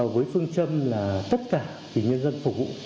với phương châm là tất cả vì nhân dân phục vụ